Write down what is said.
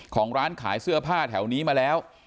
ของร้านขายเสื้อผ้าแถวนี้มาแล้ว